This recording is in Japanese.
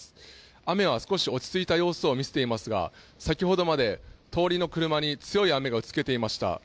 雨は少し落ち着いた様子を見せていますが、先ほどまで通りの車に強い雨が打ち付けていました。